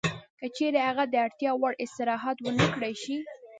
که چېرې هغه د اړتیا وړ استراحت ونه کړای شي